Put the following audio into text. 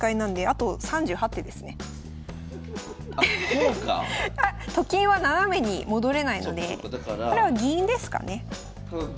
あっと金は斜めに戻れないのでこれは銀ですかね。